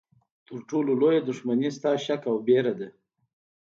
تر ټولو لویه دښمني ستا شک او ویره ده.